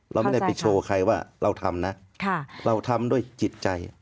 เราไม่ได้ไปโชว์ใครว่าเราทำนะเราทำด้วยจิตใจ